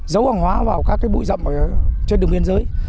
dấu hàng hóa vào các bụi rậm trên đường biên giới